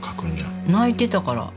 泣いてたから。